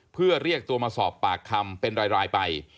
เพื่อเรียกตัวมาสอบปากคำเป็นรายไป